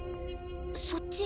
そっち